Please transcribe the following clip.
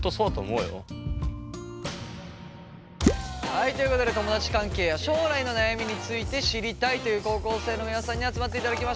はいということで友だち関係や将来の悩みについて知りたいという高校生の皆さんに集まっていただきました。